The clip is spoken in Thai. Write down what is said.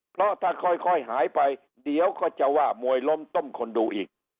เพราะถ้าค่อยหายไปเดี๋ยวก็จะว่ามวยล้มต้มคนดูอีก